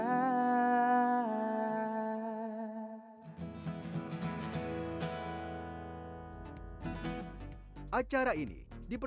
manusia manusia kuat itu kita